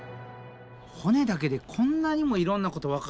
骨だけでこんなにもいろんなことわかるんや。